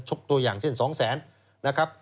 ตัวอย่างเช่น๒แสนนะครับ